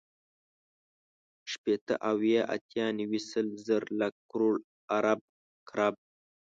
شپېته، اويا، اتيا، نيوي، سل، زر، لک، کروړ، ارب، کرب